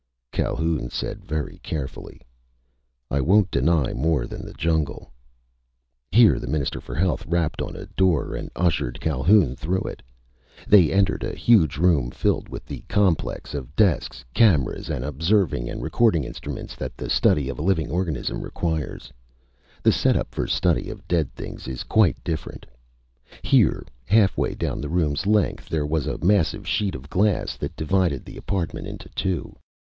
Calhoun said very carefully: "I won't deny more than the jungle." Here the Minister for Health rapped on a door and ushered Calhoun through it. They entered a huge room filled with the complex of desks, cameras, and observing and recording instruments that the study of a living organism requires. The setup for study of dead things is quite different. Here, halfway down the room's length, there was a massive sheet of glass that divided the apartment into two.